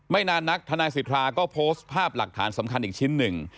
นานนักทนายสิทธาก็โพสต์ภาพหลักฐานสำคัญอีกชิ้นหนึ่ง